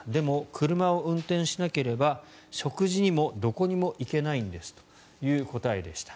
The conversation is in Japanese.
車を運転しなければ食事にもどこにも行けないんですという答えでした。